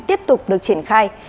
tiếp tục được triển khai